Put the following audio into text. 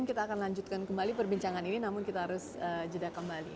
kita akan lanjutkan kembali perbincangan ini namun kita harus jeda kembali